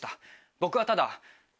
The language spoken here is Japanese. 僕はただ。